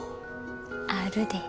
あるで。